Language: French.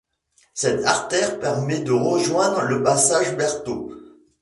Cette artère permet de rejoindre le passage Berthault.